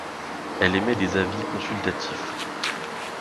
Elle émet des avis consultatifs.